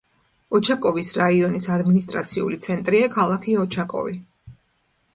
ოჩაკოვის რაიონის ადმინისტრაციული ცენტრია ქალაქი ოჩაკოვი.